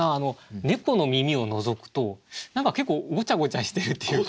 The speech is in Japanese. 猫の耳をのぞくと何か結構ごちゃごちゃしてるっていうか。